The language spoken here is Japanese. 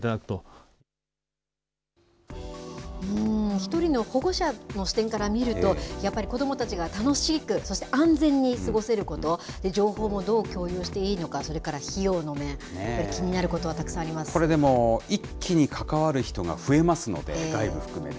一人の保護者の視点から見ると、やっぱり子どもたちが楽しく、そして安全に過ごせること、情報もどう共有していいのか、それから費用の面、これ、でも、一気に関わる人が増えますので、外部含めて。